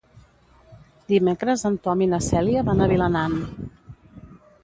Dimecres en Tom i na Cèlia van a Vilanant.